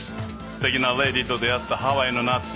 すてきなレディーと出会ったハワイの夏。